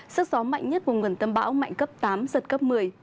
sức gió mạnh nhất vùng gần tâm bão mạnh cấp tám giật cấp một mươi